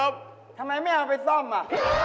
พี่ส้าวอยู่